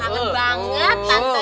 kangen banget tante